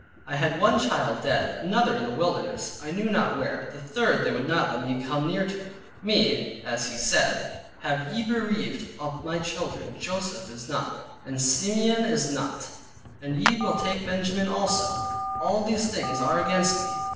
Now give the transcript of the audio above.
I had one child dead, another in the wilderness, I knew not where, the third they would not let me come near to: "Me (as he said) have ye bereaved of my Children, Joseph is not, and Simeon is not, and ye will take Benjamin also, all these things are against me."